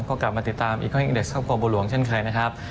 ก็กลับมาติดตามอีกค่อยอีกเด็กทรัพย์บลวงเช่นเคยนะครับ